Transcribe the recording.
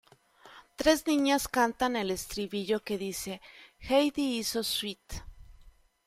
Tres niñas cantan el estribillo que dice: "Heidi is so sweet.